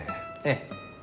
ええ。